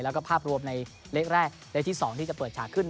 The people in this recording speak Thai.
แล้วก็ภาพรวมในเลขแรกเลขที่๒ที่จะเปิดฉากขึ้น